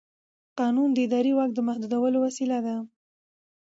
قانون د اداري واک د محدودولو وسیله ده.